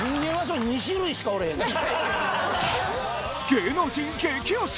芸能人激推し！